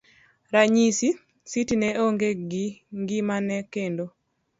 ranyisi. Siti ne onge gi gimageng'e kendo